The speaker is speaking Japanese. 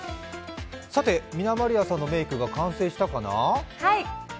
さて、みな・まりあさんのメークが完成したかな？